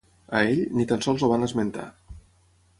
A ell, ni tan sols el van esmentar.